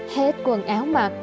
hết quần áo mặc